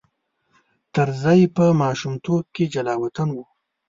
طرزی په ماشومتوب کې جلاوطن و.